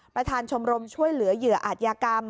ประธานชมรมช่วยเหลือเหยื่ออาจยากรรม